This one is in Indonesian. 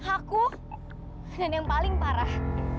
aku dan yang paling parah